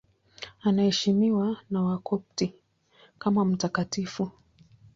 Anaheshimiwa na Wakopti kama mtakatifu.